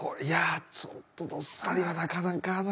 いやちょっとどっさりはなかなか。